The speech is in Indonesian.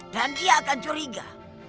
dan dia akan curiga